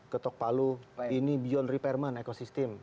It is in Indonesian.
ketok palu ini beyond repairment ekosistem